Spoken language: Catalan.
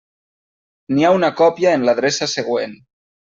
N'hi ha una còpia en l'adreça següent.